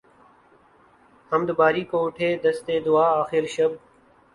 حمد باری کو اٹھے دست دعا آخر شب